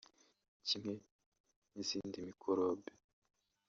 Kimwe nk’izindi mikorobe